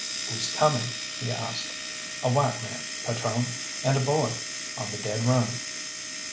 "Who's coming?" he asked. "A white man, patrone, and a boy, on the dead run."